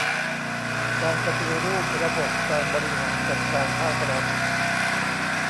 การปฏิรูประบบการบริหารจัดการภาครัฐ